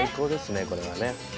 これはね。